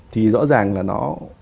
thì rõ ràng là nó